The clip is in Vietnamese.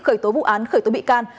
khởi tố vụ án khởi tố bị can